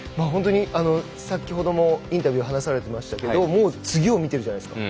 先ほどもインタビューで話されていましたけれど次を見ているじゃないですか。